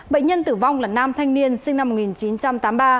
bệnh nhân tử vong là nam thanh niên sinh năm một nghìn chín trăm tám mươi ba